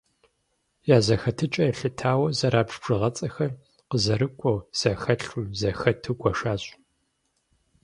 Я зэхэтыкӀэ елъытауэ зэрабж бжыгъэцӀэхэр къызэрыкӀуэу, зэхэлъу, зэхэту гуэшащ.